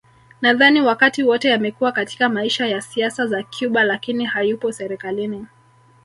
Nadhani wakati wote amekuwa katika maisha ya siasa za Cuba lakini hayupo serikalini